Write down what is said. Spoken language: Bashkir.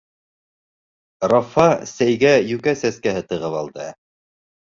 Рафа сәйгә йүкә сәскәһе тығып алды.